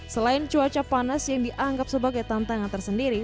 selain cuaca panas yang dianggap sebagai tantangan tersendiri